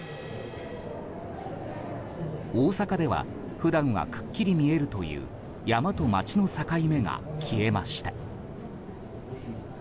大阪では普段はくっきり見えるという山と街の境目が消えました。